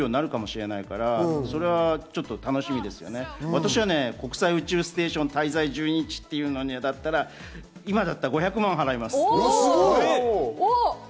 私は国際宇宙ステーション滞在１２日だったら今だったら５００万払います。